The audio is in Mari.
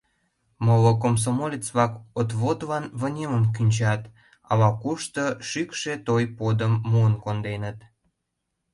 Моло комсомолец-влак отводлан вынемым кӱнчат, ала-кушто шӱкшӧ той подым муын конденыт.